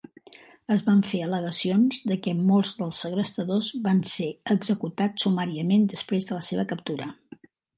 Es van fer al·legacions de que molts dels segrestadors van ser executat sumàriament després de la seva captura.